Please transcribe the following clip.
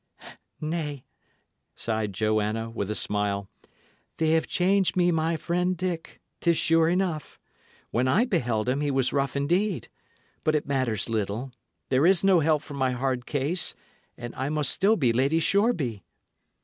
"Nay," sighed Joanna, with a smile, "they have changed me my friend Dick, 'tis sure enough. When I beheld him, he was rough indeed. But it matters little; there is no help for my hard case, and I must still be Lady Shoreby!"